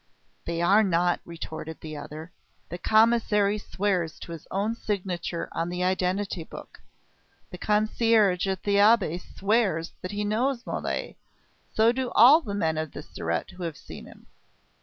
"They are not," retorted the other. "The Commissary swears to his own signature on the identity book. The concierge at the Abbaye swears that he knows Mole, so do all the men of the Surete who have seen him.